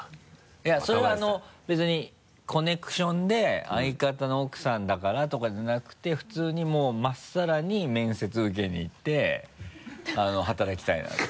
いやそれはあの別にコネクションで相方の奥さんだからとかじゃなくて普通にもうまっさらに面接受けにいって働きたいなと。